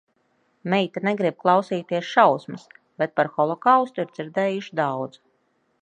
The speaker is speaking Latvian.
Meita negrib klausīties šausmas, bet par holokaustu ir dzirdējuši daudz.